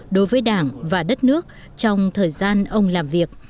đối với đảng và đất nước trong thời gian ông làm việc